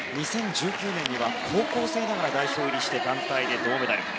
２０１９年には高校生ながら代表入りして団体で銅メダル。